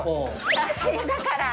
だから！